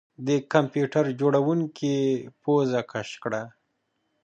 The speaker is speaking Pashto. د کمپیوټر جوړونکي پوزه کش کړه